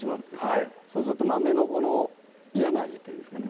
はいそうすると豆の嫌な味というんですかね